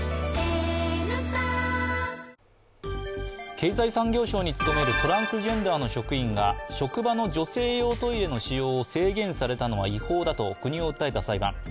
経済産業省に勤めるトランスジェンダーの職員が職場の女性用トイレの使用を制限されたのは違法だと、国を訴えた裁判。